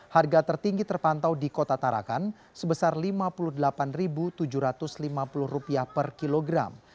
harga tertinggi terpantau di kota tarakan sebesar rp lima puluh delapan tujuh ratus lima puluh per kilogram